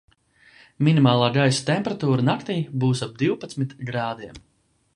Minimālā gaisa temperatūra naktī būs ap divpadsmit grādiem.